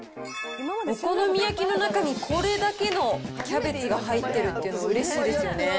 お好み焼きの中に、これだけのキャベツが入ってるっていうのはうれしいですよね。